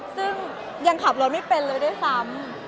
ซึ่งยังขับรถไม่เป็นเลยด้วยซ้ำ